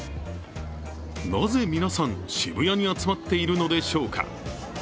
なぜ、皆さん、渋谷に集まっているのでしょうか。